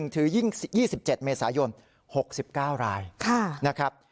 ถือ๒๗เมษายน๖๙รายนะครับ